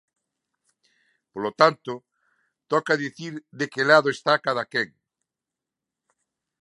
Polo tanto, toca dicir de que lado está cadaquén.